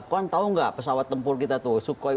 kau tahu gak pesawat tempur kita tuh sukhoi